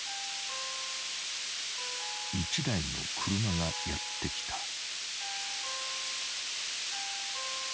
［１台の車がやって来た］